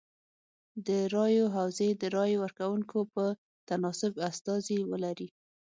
د رایو حوزې د رای ورکوونکو په تناسب استازي ولري.